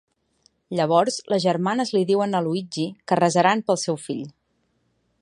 Llavors, les germanes li diuen a Luigi que resaran pel seu fill.